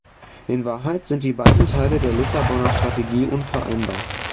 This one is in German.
In Wahrheit sind die beiden Teile der Lissabonner Strategie unvereinbar.